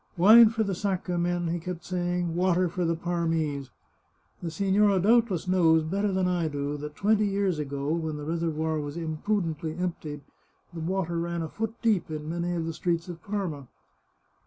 " Wine for the Sacca men," he kept saying, " water for the Parmese ! The signora doubtless knows, better than I do, that twenty years ago, when the reservoir was imprudently emptied, the water ran a foot deep in many of the streets of Parma."